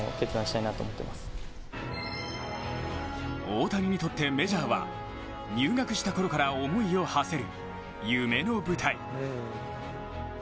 大谷にとってメジャーは入学したころから思いをはせる夢の舞台。